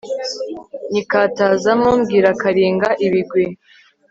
nyikatazamo mbwira Karinga ibigwi